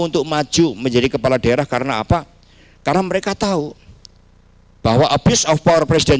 untuk maju menjadi kepala daerah karena apa karena mereka tahu bahwa abuse of power presiden